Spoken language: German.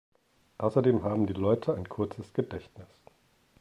Außerdem haben die Leute ein kurzes Gedächtnis.